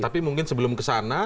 tapi mungkin sebelum kesana